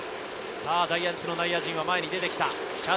ジャイアンツの内野陣は前に出て来た。